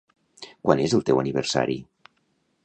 Quan és el teu aniversari?